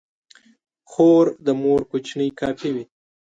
خور د مور کوچنۍ کاپي وي.